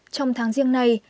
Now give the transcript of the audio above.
trong tháng riêng này